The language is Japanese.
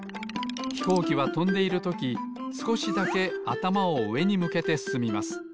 ひこうきはとんでいるときすこしだけあたまをうえにむけてすすみます。